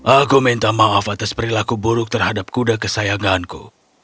aku minta maaf atas perilaku buruk terhadap kuda kesayanganku